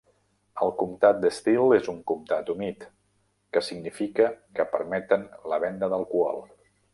El comtat d'Estill és un comtat humit, que significa que permeten la venda d'alcohol.